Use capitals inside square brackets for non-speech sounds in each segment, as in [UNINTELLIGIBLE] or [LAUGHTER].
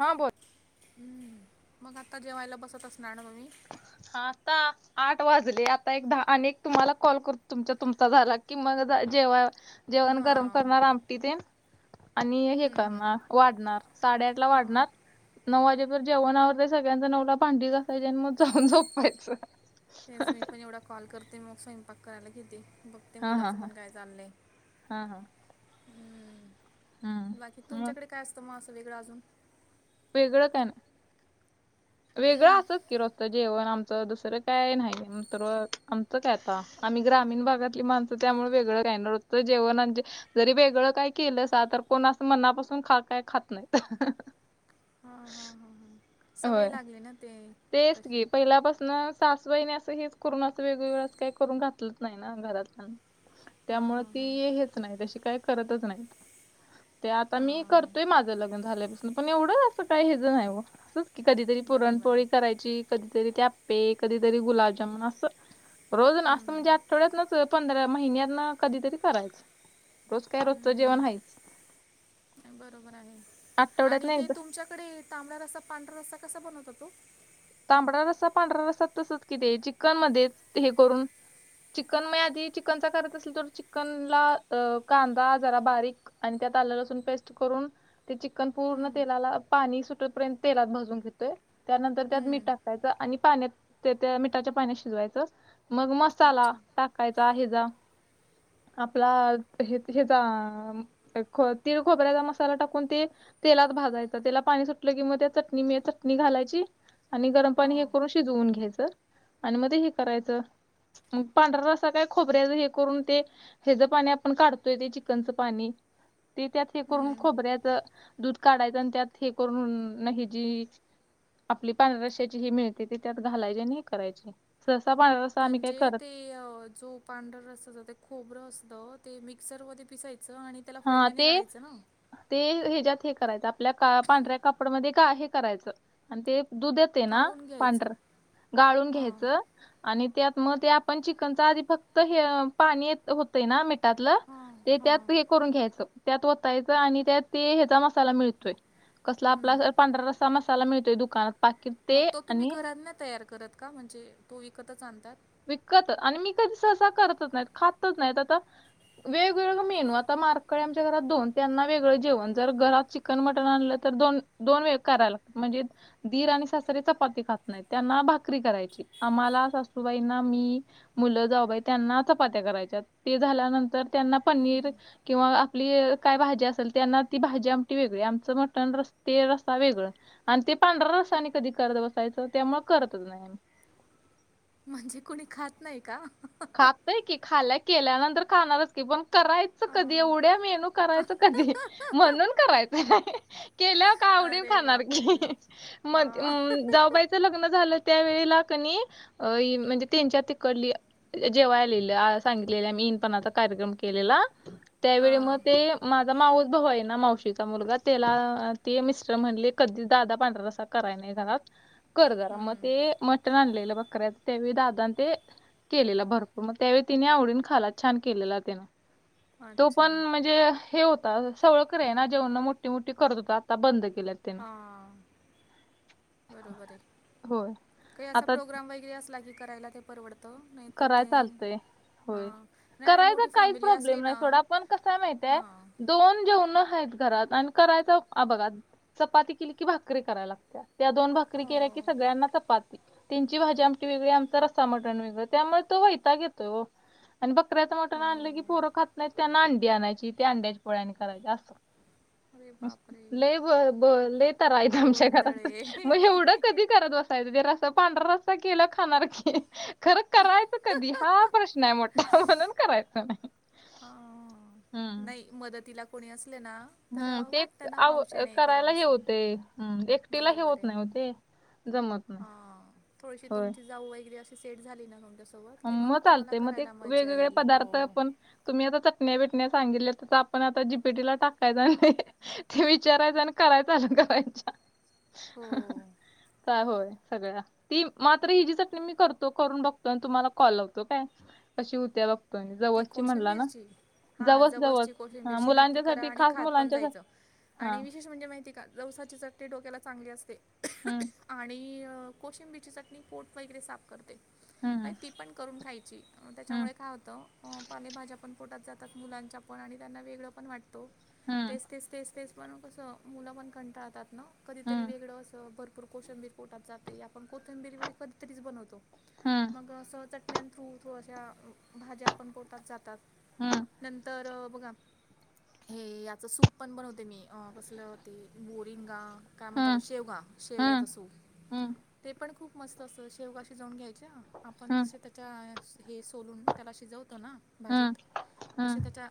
हा बोल. [INAUDIBLE] हम्म मग, आता जेवायला बसत असणार ना तुम्ही. हा. आता. आठ वाजले आता एक दहा आणि एक तुम्हाला कॉल कर तुमचा तुमचा झाला की मग जा जेव्हा जेवण गरम हां करणार, आमटी तेन. आणि हे करणार वाढणार साडेआठ ला हां वाढणार नऊ वाजेपर्यंत जेवण आवरतय सगळ्यांचं. नऊ वाजता जेवायचं आणि मग जाऊन झोपायचं. तेच मी पण, एवढा कॉल करते. मग, स्वयंपाक करायला घेते. बघ. ते हा हा मुलाचं हा पण काय? चाललंय. हा हा हम्म. बाकी. मग तुमच्याकडे काय? असतं मग, असं वेगळं अजून. वेगळं काय नाही? वेगळं असं. किरस्त जेवण आमचं दुसरं काय नाही तर आमचं काय आता आम्ही ग्रामीण भागातली माण त्यामुळे वेगळं [UNINTELLIGIBLE] होतोय जेवणांचे जरी वेगळं काही केलंसा तर कोण असं मनापासून खा काय खात नाय. हां हां [INAUDIBLE] हां हां सवय लागली ना ते. तीच की तशी पहिल्यापासून सासुबाईने असं, हेच करून वेगवेगळं काही करून घातलच नाही. ना घरात.. [INAUDIBLE] त्यामुळे ती हां हेच नाय तशी काही करतच नाही. ते आता मी हां करतोय. माझं लग्न झाल्यापासून पण, एवढं असं काही हेजं नाही. ओ असं. की कधीतरी बरोबर पुरणपोळी आहे करायची, कधीतरी आप्पे, कधीतरी गुलाबजामुन असं. रोज ना असं हम्म, हम्म. म्हणजे आठवड्यातनंच पंधरा महिन्यातनं कधीतरी करायचं. रोज काय? रोजचं हम्म, जेवण आहेच. बरोबर आहे आठवड्यात आणि ना ते एकदा तुमच्याकडे तांबडा रस्ता, पांढरा रस्ता कसा बनवता ओ? तांबडा रस्सा पांढरा रस्सा तसंच की ते चिकनमध्ये हे करून चिकन मे आधी चिकनचा करत असेल तर, चिकनला कांदा जरा बारीक आणि त्यात आलं, लसण पेस्ट करून. ते चिकन पूर्ण हम्म, तेलाला, पाणी सुटतर्यंत तेलात भाजून घेतोय. त्यानंतर. त्यात मीठ हम्म. टाकायच. आणि पाण्यात त्या मिठाच्या पाण्यात शिजवायचं. मग, मसाला अच्छा टाक [UNINTELLIGIBLE] कायचा हेचा आपला हे हेचा खो तीळ, खोबऱ्याचा मसाला टाकून. ती. तेलात भाजायच त्याला पाणी सुटलं की मग, त्या चट चटणी घालायची आणि गरम पाणी हां हे करून शिजवूनन घ्यायचं आणि म ते हे करायचं. पांढरा रस्सा काय खोबऱ्याच हे करून ते हेजं पाणी आपण काढतोय ते चिकनचं पाणी, ते त्यात हे करून हम्म. खोबऱ्यात ते दूध काढायचं त्यात हे. करून न ही. जी. आपली. पांढऱ्या रस्त्याची ही मिळते, ती त्यात घालायची आणि ही करायची. ससा पाळ म्हणजे ते अ जो पांढरं रसाच ते खोबरं असतं. ते मिक्सरमध्ये पिसायचं आणि. त्याला हा ते फडक्याने काढायचं ना ते हेज्यात हे करायचं. आपल्या का पांढऱ्या कापडमध्ये का हे करायचं. आणि ते दूध येतंय ना, गाळून घ्यायचं पांढर गाळून हां घ्यायचं. आणि त्यात मग, ते आपण चिकनचा आधी, फक्त हे पाणी येत होत. ते ना मिठातलं हां ते त्यात हां करून घ्यायचं. त्यात वतायचं आणि त्यात ते हेचा मसाला मिळतोय, कसला हम्म. आपला पांढरा रस्सा मसाला मिळतोय दुकानात. पाकिट मग ते तो तुम्ही आणि घरात नाही तयार करत का? म्हणजे तो विकतच आणतात. विकत आणि मी कधी सहसा करतच नाहीत, खातच नाहीत. आता वेगवेगळे मेनू. आता मारकळी आमच्या घरात दोन, त्यांना वेगळं जेवण. जर घरात शिक चिकन, मटन आणलं तर दोन दोन वेळ कराय लागतं म्हणजे दीर आणि सासरे चपाती खात नाहीत. त्यांना भाकरी करायची. आम्हाला, सासूबाईंना, मी. मुलं, जाऊबाई त्यांना चपात्या करायच्या. ते झाल्यानंतर त्यांना पनीर. किंवा आपली काय? भाजी असेल, त्यांना ती भाजी, आमटी वेगळी. आमचं मटण रस ते रस्सा वेगळं. आणि ते पांढरा रस्सा आणि कधी? करत बसायचं. त्यामुळे करतच नाही. म्हणजे कुणी खात नाही का? खातय की, खायला केल्यानंतर खाणारच की. पण करायचं कधी अं, एवढ्या मेनू तो करायच कधी? म्हणून करायच [UNINTELLIGIBLE] केल्याव का? आवडीन अरे खाणार की, बापरे [UNINTELLIGIBLE] मग, अं, अ. जाऊबाईच लग्न झालं त्यावेळेला का नई अ इ म्हणजे तेच्या तिकडली जेवाय आलेल्या, सांगितलेल्या मी इनपणाचा कार्यक्रम केलेला. त्यावेळी मग हां ते माझा मावस भाऊ आहे ना, मावशीचा मुलगा. तेला ते मिस्टर म्हणले, कधी दादा पांढरा रस्सा कराय नाही घरात, कर जरा. मग हं, ते मटण आणलेलं बकऱ्याचं त्यावेळी दादानं ते केलेला भरपूर, मग त्यावेळी तिने आवडीन खाला छान केलेला त्यानं. तो. अच्छा पण म्हणजे? हे हो तर सगळे कडे आहे ना जेवण मोठी मोठी करत होता आता बंद केल्यात. त्यानं हां. बरोबर आहे. होय काही असा आता प्रोग्राम वगैरे असला की करायला ते परवडतो, नाहीतर कराय ते चालतंय हा होय. नाही आणि करायचा मोठी काहीच फॅमिली असली प्रॉब्लेम नाही ना सोडा पण कसं आहे हा. माहितीय दोन जेवण आहेत घरात आणि करायच हा बघा चपाती केली की भाकरी करायला लागतं त्या दोन भाकरी केल्या की, हो सगळ्यांना चपाती त्यांची भाजी आमची वेगळी आमचं, रस्सा मटण वेगळं. त्यामुळे तो वैताग येतोय ओ, आणि बकऱ्याच मटन हो आणलं की पोरं खातं. नाही त्यांना अंडी आणायची ते अंड्याच्या पोळ्या आणी करायची असं अरे बापरे लय ब ब लय तरा आहे आमच्या गोंधळ घरात आहे मग एवढं कधी करत बसत [UNINTELLIGIBLE] रस्सा पांढरा रस्सा केला खाणार की खरं करायचं कधी हा प्रश्न आहे मोठा म्हणून करायचं. हा हम्म नाही मदतीला कोणी असले ना तर हम्म ते एक वाटतं ना आव हावशेण करायला कराव, हे असं होते हम्म एकटीला हे बरोबर होत आहे. नाही हो ते जमत नाही हां.. थोडीशी होय तुमची जाऊ वगैरे, अशी सेट झाली ना सम म मग चालतय मग ते वेगवेगळे पदार्थ हो आपण तुम्ही आता चटण्या बिटण्या सांगितल्या तर आपण आता जीपीटीला टाकायचं ते ते विचारायचं आणि करायच्या हो [UNINTELLIGIBLE] चा होय. सगळ्या ती मात्र हिची चटणी मी, करतो करून बघतो. तुम्हाला कॉल लावतो काय, कशी होत्या बघतो. मी ती जवसची म्हणला ना कोशिंबीरची हा जवस जवस जवसची हा कोशिंबीरची नक्की करा मुलांच्यासाठी आणि खास खात पण मुलांच्यासाठी जायचं. हा आणि विशेष म्हणजे माहिती का, जवसाची चटनी डोक्याला चांगली असते. हम्म आणि कोशिंबिरची चटणी पोट वगैरे साफ करते. हम्म आणि ती पण करून खायची हम्म त्याच्यामुळे काय होतं पालेभाज्या पण पोटात जातात मुलांच्या पण, आणि त्यांना वेगळं पण वाटतो हम्म तेच तेच. तेच तेेच म्हणून कसं मुलं पण कंटाळतात ना कधीतरी हम्म वेगळं असं भरपूर कोशिंबीर पोटात जाते आपण कोथंबीर वडी कधीतरीच बनवतो. हम्म. मग असं चटण्यां थ्रू थोडश्या भाज्या पण पोटात जातात. हम्म नंतर बघा हे याच सूप पण बनवते मी अ कसलं ते मोरिंगा काय म्हणता बा, हम्म शेवगा हम्म शेवग्याचा सूप. हम्म ते पण खूप मस्त असत, शेवगा शिजवून घ्यायच्या आपण हम्म जसे, च्या हे सोलून त्याला शिजवतो ना हम्म भाजीत हम्म तशे त्याच्या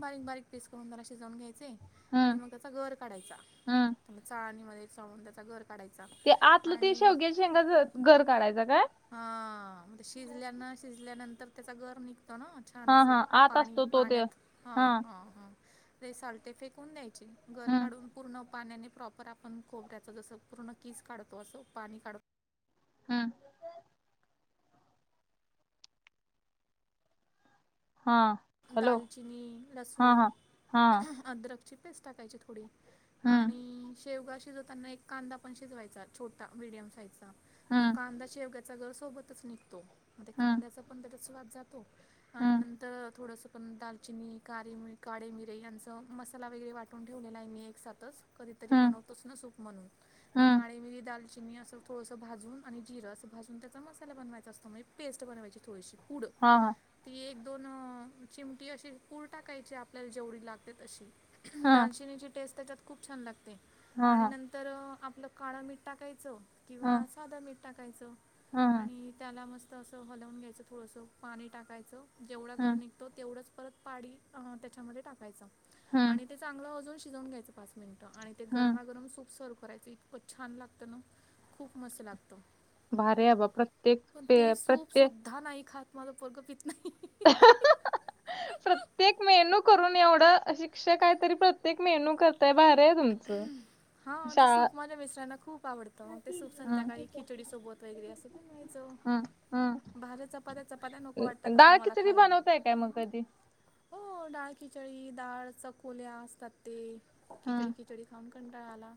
बारीक बारीक पीस करून त्याला शिजवून घ्यायचे आणि हम्म मग त्याचा गर काढायचा, हम्म मग चाळून त्याचा गर काढायचा ते आतलं ते आणि शेवग्ये शेंगाच गर काढायचं काय? हां.. म्हणजे शिजल्या न शिजल्यानंतर त्याचा गर निघतो ना. छान हा हा असं आत पाणी असतो तो ते पाण्यात हा हां हां हां. ते सालतेे फेकून द्यायचे. गर हम्म काढून पूर्ण पाण्याने प्रॉपर आपण खोबऱ्याच, जसं पूर्ण किस काढतो असं पाणी काढून. हम्म हा. हॅलो दालचिनी हा लसूण, हा हा अदरकची पेस्ट टाकायची थोडी. हम्म आणि शेवगा शिजवताना, एक कांदा पण शिजवायचा छोटा मीडियम साईजचा. मग हम्म कांदा शेवग्याचा गर सोबतच निघतो, मग हम्म कांद्याचा पण त्याच्यात स्वाद जातो. आणि हम्म नंत थोडंसं पण दालचिनी काळे मिठ काळे मिरे यांचं मसाला वगैरे वाटून ठेवलेला आहे मी एकसातच. कधीतरी हम्म बनवतोच ना सूप म्हणून मग हम्म काळी मिरी दालचिनी असं थोडंसं भाजून आणि जीर अस भाजून त्याचा, मसाला बनवायचा असतो म्हणजे पेस्ट बनवाय थोडीशी पुढं. हां हां. ती एक दोन चिमटी अशी पूड टाकायची, आपल्याला जेवढी लागते तशी. हा दालचिनीची टेस्ट त्यात, खूप छान लागते हा आणि नंतर. तर आपलं काळं मीठ टाकायचं किंवा हा साधं मीठ टाकायच. हा आणि त्याला मस्त असं हलवून घ्यायचं, थोडंसं पाणी टाकायचं जेवढा गर हा निघ तो तेवढंच परत पाणी त्याच्यामध्ये टाकायचं, हा आणि ते चांगलं अजून शिजवून घ्यायचं. पाच मिनिटं आणि ते, हा गरमागरम सूप सर्व करायचं‌ इतक. खूप छान लागतं ना, खूप मस्त लागतो. भारी आहे बा प्रत्येक पण ते पे- सूप प्रत्येक सुद्धा नाही खात, माझं पोरगं पित नाही. [UNINTELLIGIBLE] [UNINTELLIGIBLE] प्रत्येक मेनू करून एवढा, शिक्षक काय तरी प्रत्येक मेहनू कर. हा ते शाळा सूप माझ्या मिस्टना खूप आवडतं, मग ते सूप हं, संध्याकाळी. खिचडी सोबत वगैरे असं पण व्हायचं, हं, हं. भाज्या चपात्या चपात्या नको वाटतात आता मला. ती खायला बनवताय काय, मग कधी. हो. डाळ खिचडी डाळ चकोल्या असतात, ते खिचडी. हं, खिचडी खाऊन कंटाळाला,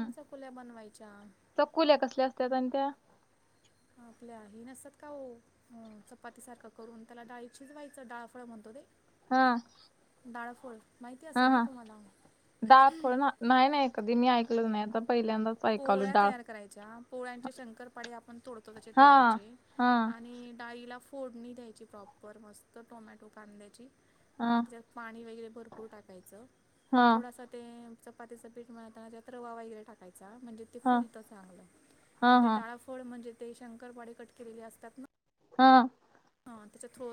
मग चकुल्या बनवायच्या. चकुल्या कसल्या असत्यात, आणि त्या. आपल्या हे नसतात, का हो. हो चपाती सारखं करून त्याला, डाळीचीच व्हायचं डाळफळ म्हणतो ते. हां. डाळफोळ माहिती असेल, ना तुम्हाला. डाळ फळ ना- नाही नाही कधी मी ऐकल नाही, आता पहिल्यांदाच. ऐकावलं पोळ्या डाळ तयार करायच्या, पोळ्यांचे शंकरपाडे आपण तोडतो तसे हा तोडायचे. हा आणि डाळीला फोडणी द्यायची, प्रॉपर मस्त टोमॅटो कांद्याची. आणि हा त्याच्यात पाणी वगैरे, भरपूर टाकायचं हा थोडासा. ते चपातीचं पीठ मिळताना, त्यात रवा वगैरे टाकायचा म्हणजे ते. ते हा फुल तर हा चांगलं ते, हा डाळफळ म्हणजे, ते शंकरपाडे कट केलेले असतात ना. हां. हं.. तेच्यात थो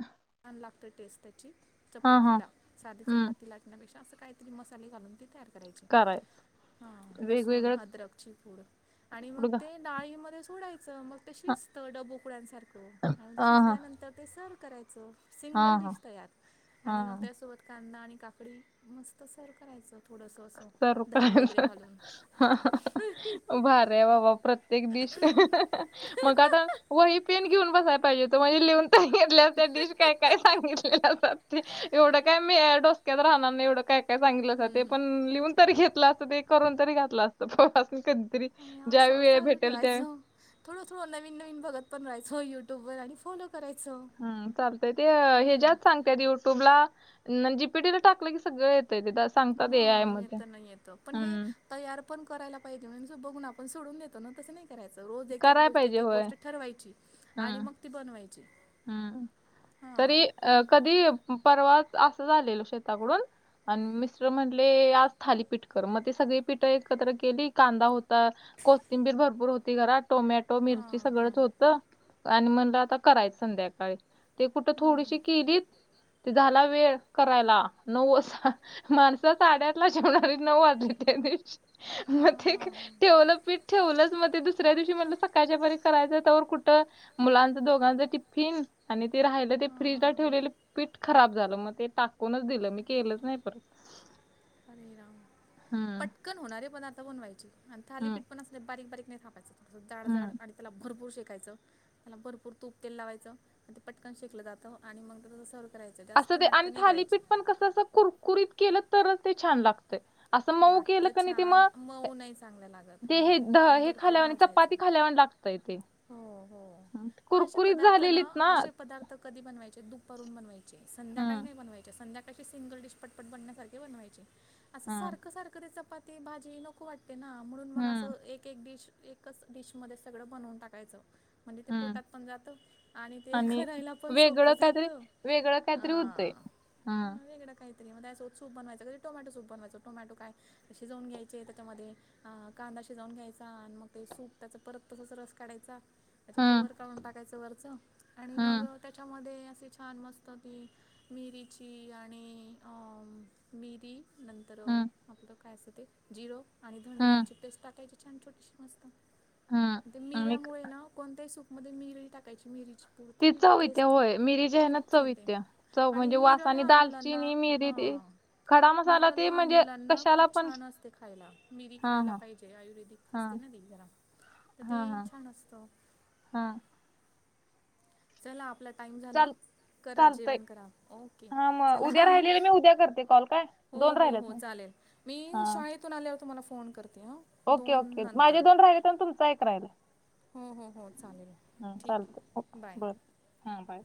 हं. छान लागत टेस्ट त्याची, चपाती ला साधी हम्म चपाती लाटण्या पे असं काहीतरी मसाले घालून ते तयार. करायची करायचं अं.. लसूण वेगवेगळं अदरकची पूढ़ आणि मग कुठं ते. डाळीमध्ये सोडायचं मग, ते हा शीचत डबोकुड्यांसारखी. आणि ते हा शिजल्यानंतर ते सर्व करायचं, हा सिंगल हा डिश तयार आणि मग हा त्यासोबत. कांदा आणि काकडी मस्त सर करायचं. थोडंसं असं दही वगैरे घालून [UNINTELLIGIBLE] हां... भारी आहे बाबा प्रत्येक, डिश मग आता. वही पेन घेऊन बसायला पाहिजे होतं, म्हणजे लिहून त घेतल्या त्या डिश काय काय सांगितलेल्या ते. एवढं काय मी डोसक्यात राहणार नाही, एवढं काय काय सांगितलासा ते. पण लिहून तरी घेतलं असत, ते करून तरी घातलं असतं पोरासनी कधी आणि असं चालू ठेवायचं. थोडं थोड नवीन नवीनपण बघत पण, राहायचं होय यूट्यूब आणि फोलो. करायचं. हम. चालतय ते ह हम्म. ज्यात सांगतय युट्यूबला, जीपीटी ला टाकलं की सगळ‌ येत. ते एकदा साग. हों. येत न, येत पण हे. तयार पण करायला पाहिजे, म्हण बघून आपण सोडून देतो ना तसं नाही. करायचं रोज एक एक कराय गोष्ट पाहिजे एक एक होय गोष्ट ठरवायची, आणि हम्म मग ती बनवायची. हम्म हां तरी अ कधी, परवा असं झालेल शेताकडून. आणि मिस्टर म्हटले आज थालीपीठ कर, मग ते सगळी पीठ एकत्र केली कांदा होता. कोथिंबीर भरपूर होती घरात टोमॅटो मिरची हां हां सगळंच होतं आणि म्हणलं आता कराय संध्याकाळी ते कुठे, हं. थोडीशी केलीत. ते झाला वेळ करायला, नऊ वाजता. माणसं साडेआठ ला जेवणारी, नऊ वाजली त्या दिवशी मग हां ते. हां ठेवलं पीठ ठेवलंच मं ते दुसऱ्या दिवशी म्हटलं सकाळच्या पहरी करायचं तोवर कुठं. मुलांचे दोघांचे टिफ्फीन आणि ते राहिलं ते हां फ्रीजला हां ठेवलेले पीठ खराब झालं, मग ते टाकूनच दिलं मी केलंच नाही परत. हरे राम. हम्म पटकन होणारे पण आता बनवायचं आणि हम्म थालीपीठ पण असले बारीक बारीक नाही थापायच. जाड हम्म जाड आणि त्याला भरपूर शेकायचं. त्याला भरपूर तूप तेल लावायचं आणि ते पटकन शेकलं जातं आणि मग रोज सर असू दे आणि थालीपीठ पण कसं असं कुरकुरीत केलं तर ते छान लागतय. असं मऊ केलं लागतं कि नाही ते छान मग मऊ नाही चांगलं लागत ते त हां त्याला हे भरपूर खाल्यावाणी भाजायचं चपाती खाल्यावाणी लागतं तय ते, हो हो मग असे कुरकुरीत पदार्थ झालेलीत ना? असे पदार्थ कधी बनवायचे दुपारून बनवायचे, संध्याकाळी हं, नाही बनवायचे. संध्या अशी सिंगल डिश पटपट बनण्यासारखे बनवायची, असं हं, सारखं सारखं ते चपाती भाजी नको वाट ते ना म्हणून मग हं, असं एक एक डिश एकच डिशमध्ये सगळं बनवून टाकायचं. म्हणजे ते हं. पोटात पण जातं आणि ते करायला पण सोप्पं जातं आं. हा. काय तरी मग त्याच्यासोबत सूप बनवायचं, कधी टोमॅटो सूप बनवायचा टोमॅटो काय. शिजवून घ्यायचे त्याच्यामध्ये, अं कांदा शिजवून घ्यायचा आणि मग ते सूप त्याचा परत तसच रस काढायचा त्याचे, हं, कवर काढून टाकायचं वरचं आणि मग हं, त्याच्यामध्ये असे छान मस्त ती मिरीची आणि अम मिरी नंतर हं, आपलं काय असतं ते, जिरं आणि धणे हं, यांची पेस्ट टाकायची. छान छोटीशी मस्त हं. ते आणि क- मिऱ्यामुळे ना कोणत्याही सूपमध्ये मिरी टाकायची मिरीची. ती तरती चव येत्या टेस्ट होय. मिरी जी आहे ना खूपच चव येते येत्या. चव आणि म्हणजे वास मीरं आणि लहान मुलांना दालचिनी, मिरी हा. ते खडा मीर मसाला ते लहान म्हणजे मुलांना कशाला खूप पण छान असते खायला, मीरी हां, खायला हां, पाहिजे आयुर्वेदिक. असते हां, ना ते जरा, तर ते हां, हां, छान असतं. हां. चला आपलं टाइम झाला. चाल करा चालतंय. जेवण करा, ओके हां, मग चला. उद्या राहिलेलं मी उद्या करते कॉल काय? हो हो राहिलेत हो माझे. चालेल. मी हां. शाळेतून आल्यावर तुम्हाला फोन करते हा. ओके ओके माझे दोन राहिलेत अन तुमचा एक राहिला. हो हो हो चालेल, हम्म ठीक चालतंय आहे बाय. बर हा बाळ.